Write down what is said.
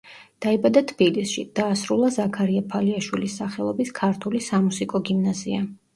დაიბადა თბილისში, დაასრულა ზაქარია ფალიაშვილის სახელობის ქართული სამუსიკო გიმნაზია.